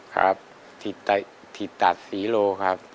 ครับถิตัสศรีโลครับ